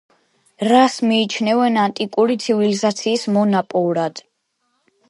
რას მიიჩნევენ ანტიკური ცივილიზაციის მონაპოვრად?